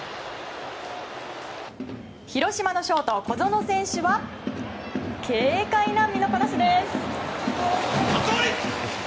広島のショート小園選手は軽快な身のこなしです。